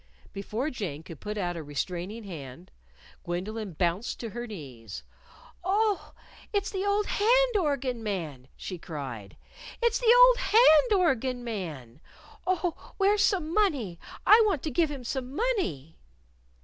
Before Jane could put out a restraining hand, Gwendolyn bounced to her knees. "Oh, it's the old hand organ man!" she cried. "It's the old hand organ man! Oh, where's some money? I want to give him some money!"